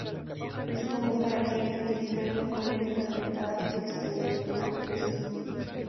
Es común para aquellos que utilizan coletas apretadas que experimenten alopecia.